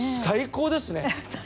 最高ですよね。